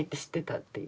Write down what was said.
っていう。